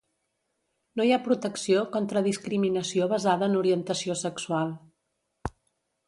No hi ha protecció contra discriminació basada en orientació sexual.